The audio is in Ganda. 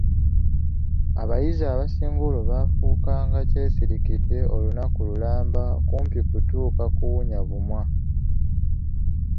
Abayizi abamu olwo baafuukanga kyesirikidde olunaku lulamba kumpi kutuuka kuwunya bumwa.